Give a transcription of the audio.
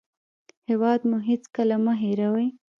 هېواد مو هېڅکله مه هېروئ